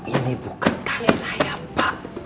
ini bukan tani saya pak